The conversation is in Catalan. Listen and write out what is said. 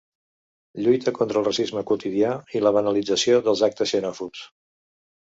Lluita contra el racisme quotidià i la banalització dels actes xenòfobs.